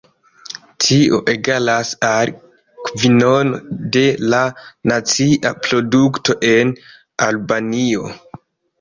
Tio egalas al kvinono de la nacia produkto en Albanio.